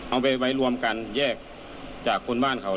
เอาไปไว้รวมกันแยกจากคนบ้านเขา